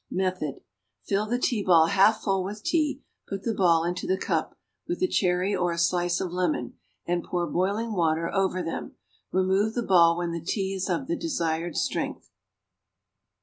Method. Fill the tea ball half full with tea, put the ball into the cup, with a cherry or a slice of lemon, and pour boiling water over them; remove the ball when the tea is of the desired strength.